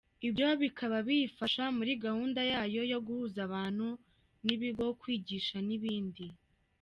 Ibyo bikaba biyifasha muri gahunda yayo yo guhuza abantu n’ibigo, kwigisha n’ibindi.